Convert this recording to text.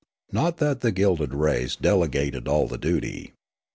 Not that the gilded race delegated all the duty.